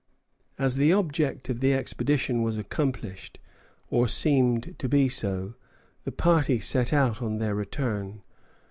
As the object of the expedition was accomplished, or seemed to be so, the party set out on their return.